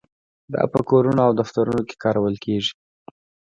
دا په کورونو او دفترونو کې کارول کیږي.